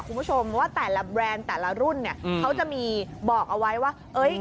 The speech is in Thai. คุณผู้ชมว่าแต่ละแบรนด์แต่ละรุ่นเนี่ยเขาจะมีบอกเอาไว้ว่าเอ้ย